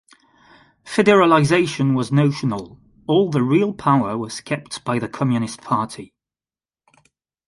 Federalization was notional - all the real power was kept by the Communist Party.